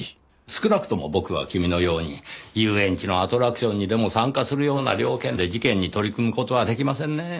少なくとも僕は君のように遊園地のアトラクションにでも参加するような了見で事件に取り組む事は出来ませんねぇ。